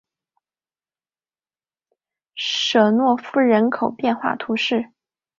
舍诺夫人口变化图示